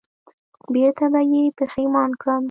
بېرته به یې پښېمان کړم